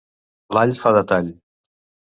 L'all fa de tall.